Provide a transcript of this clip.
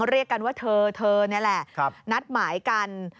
เรียกกันว่าเธอเธอนี่แหละนัดหมายกัน